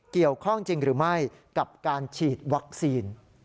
เกี่ยวข้องจริงหรือไม่กับการฉีดวัคซีน